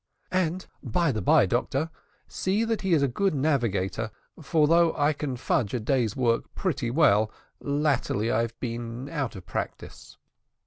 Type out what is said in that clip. "And, by the bye, doctor, see that he is a good navigator; for although I can fudge a day's work pretty well, latterly I have been out of practice."